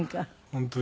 本当に。